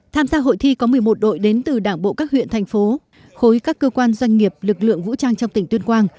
tham gia hội thi có một mươi một đội đến từ đảng bộ các huyện thành phố khối các cơ quan doanh nghiệp lực lượng vũ trang trong tỉnh tuyên quang